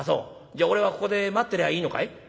じゃあ俺はここで待ってりゃいいのかい？」。